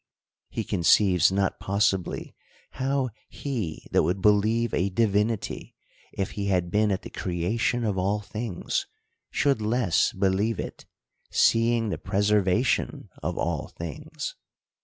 He conceives not possibly how he, that would believe a divinity if he had been at the creation of all things, should less believe it, seeing the preserva tion of all things.